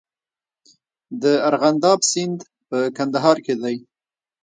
د ارغنداب سیند په کندهار کې دی